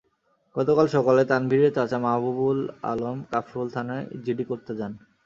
গতকাল সকালে তানভীরের চাচা মাহবুবুল আলম কাফরুল থানায় জিডি করতে যান।